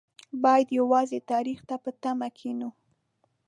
باید یوازې تاریخ ته په تمه کېنو.